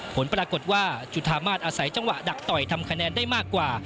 ผลปรากฏว่าจุธามาสอาศัยจังหวะดักต่อยทำคะแนนได้มากกว่า